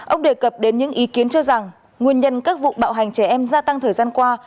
ông đề cập đến những ý kiến cho rằng nguyên nhân các vụ bạo hành trẻ em gia tăng thời gian qua